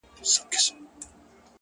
مثبت فکر د ارام ذهن سرچینه ده.!